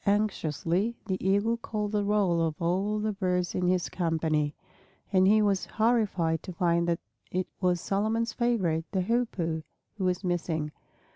Anxiously the Eagle called the roll of all the birds in his company; and he was horrified to find that it was Solomon's favorite, the Hoopoe, who was missing.